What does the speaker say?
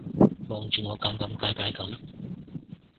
望住我尷尷尬尬噉